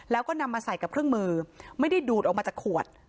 แล้วก็นำมาใส่กับเครื่องมือไม่ได้ดูดออกมาจากขวด